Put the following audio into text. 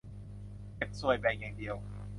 เก็บส่วยแบ่งอย่างเดียว